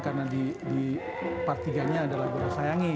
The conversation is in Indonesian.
karena di part tiga nya ada lagu rasa sayangi